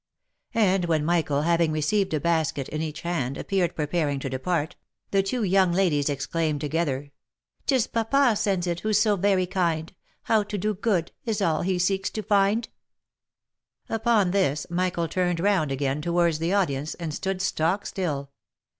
And when Michael, having received a basket in each hand, appeared preparing to depart, the two young ladies exclaimed together, " 'Tis papa sends it, who's so very kind, How to do good, is all he seeks to find !" Upon this, Michael turned round again towards the audience, and stood stock still.